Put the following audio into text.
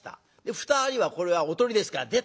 ２人はこれはおとりですから「出た！」。